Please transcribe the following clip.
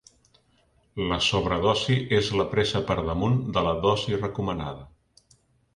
La sobredosi és la presa per damunt de la dosi recomanada.